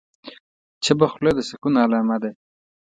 چپه خوله، د سکون علامه ده.